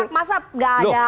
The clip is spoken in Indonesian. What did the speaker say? itu bergerak masa nggak ada